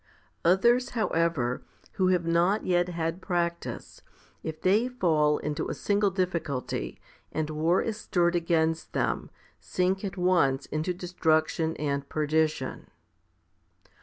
19. Others, however, who have not yet had practice, if they fall into a single difficulty, and war is stirred against them, sink at once into destruction and perdition.